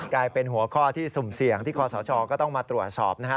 กลายเป็นหัวข้อที่สุ่มเสี่ยงที่คอสชก็ต้องมาตรวจสอบนะฮะ